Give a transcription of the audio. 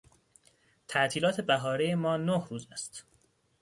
تعطیلات بهارهی ما نه روز است.